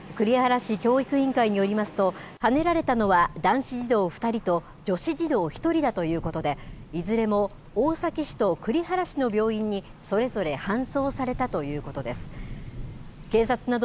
栗原市教育委員会によりますとはねられたのは男子児童２人と女子児童１人だということでいずれもおおさき市と栗原市の病院にそれぞれ搬送されたということです。